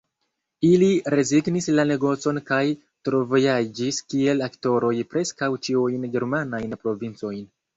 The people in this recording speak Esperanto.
Ili rezignis la negocon kaj travojaĝis kiel aktoroj preskaŭ ĉiujn germanajn provincojn.